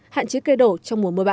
hạn chế cây đổ trong mùa mưa bão